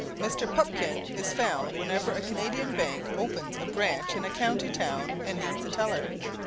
Mr. Pupkin is found whenever a Canadian bank opens a branch in a county town and needs a teller.